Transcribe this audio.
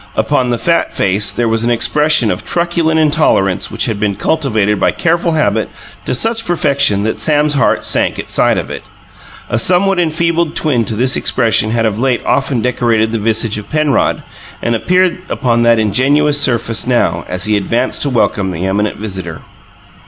Upon the fat face there was an expression of truculent intolerance which had been cultivated by careful habit to such perfection that Sam's heart sank at sight of it. A somewhat enfeebled twin to this expression had of late often decorated the visage of Penrod, and appeared upon that ingenuous surface now, as he advanced to welcome the eminent visitor.